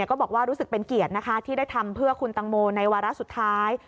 ก็บอกว่ารู้สึกเป็นเกียรตินะคะที่ได้ทำเพื่อคุณตังโมในวาระสุดท้าย